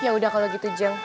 ya udah kalau gitu jeng